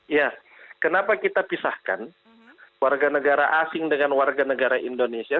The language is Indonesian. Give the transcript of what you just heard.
ya kenapa kita pisahkan warga negara asing dengan warga negara indonesia